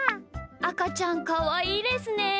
あかちゃんかわいいですね。